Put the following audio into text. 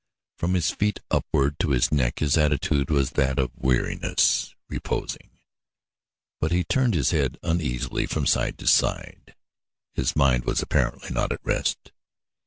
From his feet upward to his neck his attitude was that of weariness reposing; but he turned his head uneasily from side to side; his mind was apparently not at rest.